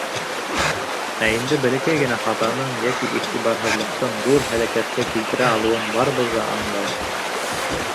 Ә инде бәләкәй генә хатаның йәки иғтибарһыҙлыҡтың ҙур һәләкәткә килтерә алыуын барыбыҙ ҙа аңлай.